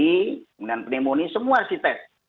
kemudian pneumonia semua harus di test